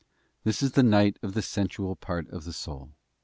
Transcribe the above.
This is the night of the sensual part of the soul.